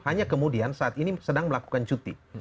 hanya kemudian saat ini sedang melakukan cuti